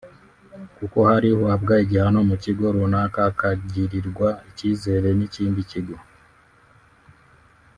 kuko hari uhabwa igihano mu kigo runaka akagirirwa icyizere n’ikindi kigo